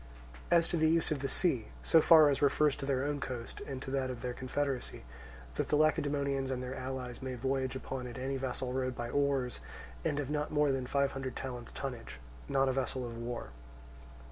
As to the use of the sea, so far as refers to their own coast and to that of their confederacy, that the Lacedaemonians and their allies may voyage upon it in any vessel rowed by oars and of not more than five hundred talents tonnage, not a vessel of war.